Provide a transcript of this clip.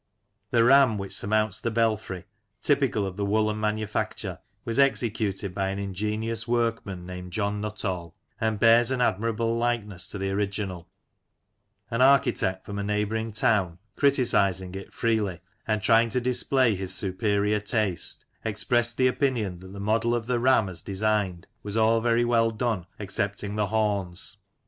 The Ram which surmounts the belfry, typical of the woollen manufac ture, was executed by an ingenious workman named John Nuttall, and bears an admirable likeness to the original An architect from a neighbouring town, criticising it freely, and trying to display his superior taste, expressed the opinion that the model of the Ram as designed was all very well done excepting the horns.